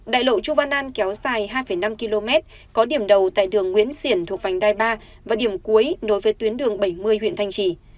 đại lộ chu văn an kéo dài hai năm km có điểm đầu tại đường nguyễn xiển thuộc vành đai ba và điểm cuối nối với tuyến đường bảy mươi huyện thanh trì